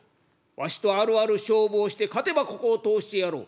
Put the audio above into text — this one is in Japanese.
わしとあるある勝負をして勝てばここを通してやろう」。